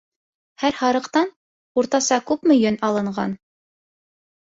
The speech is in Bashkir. Һәр һарыҡтан уртаса күпме йөн алынған?